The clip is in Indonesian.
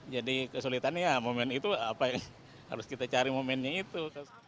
jadi kesulitannya ya momen itu apa yang harus kita cari momennya itu